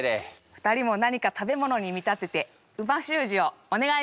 ２人も何か食べ物に見立てて美味しゅう字をお願いします。